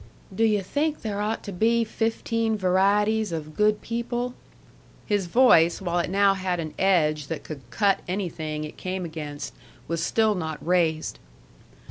"Do you think there ought to be fifteen varieties of good people?" His voice, while it now had an edge that could cut anything it came against, was still not raised.